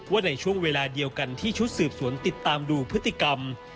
ในช่วงเวลาเดียวกันที่ชุดสืบสวนติดตามดูพฤติกรรม